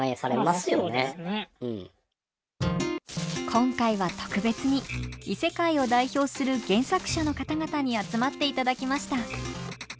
今回は特別に異世界を代表する原作者の方々に集まっていただきました。